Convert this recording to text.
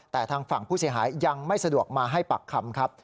แต่ทางฝั่งผู้เสียหายยังไม่สะดวกมาให้ปากคำครับ